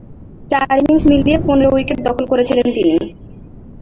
চার ইনিংস মিলিয়ে পনেরো উইকেট দখল করেছিলেন তিনি।